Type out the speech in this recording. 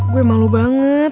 gue malu banget